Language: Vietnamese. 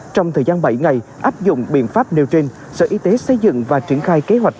trong thời gian bảy ngày áp dụng biện pháp nêu trên sở y tế xây dựng và triển khai kế hoạch